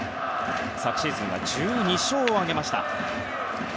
昨シーズンは１２勝を挙げました。